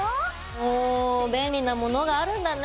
お便利なものがあるんだね。